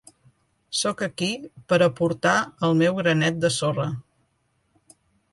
Sóc aquí per a aportar el meu granet de sorra.